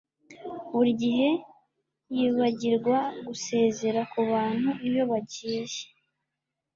Buri gihe yibagirwa gusezera kubantu iyo bagiye